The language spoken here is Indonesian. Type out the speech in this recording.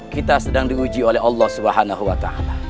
kita sedang diuji oleh allah swt